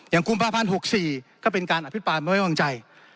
กุมภาพันธ์๖๔ก็เป็นการอภิปรายไม่ไว้วางใจ